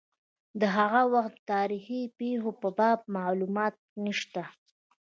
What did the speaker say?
د هغه وخت تاریخي پېښو په باب معلومات نشته.